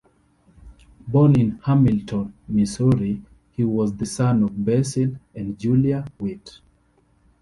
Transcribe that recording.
Born in Hamilton, Missouri, he was the son of Basil and Julia Wheat.